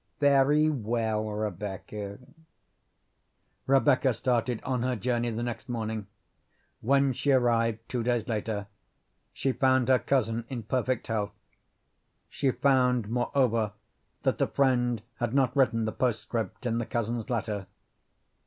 "Very well, Rebecca." Rebecca started on her journey the next morning. When she arrived, two days later, she found her cousin in perfect health. She found, moreover, that the friend had not written the postscript in the cousin's letter.